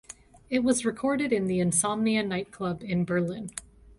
It was recorded in the Insomnia nightclub in Berlin.